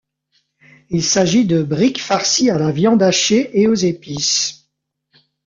Il s'agit de bricks farcies à la viande hachée et aux épices.